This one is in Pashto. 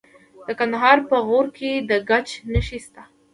د کندهار په غورک کې د ګچ نښې شته.